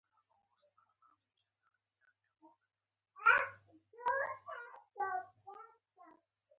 د ابو محمد هاشم شعر سل کاله وروسته تر امیر کروړ تاريخ لري.